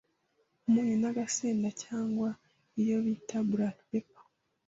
Umunyu n’agasenda cyangwa iyo bita black pepper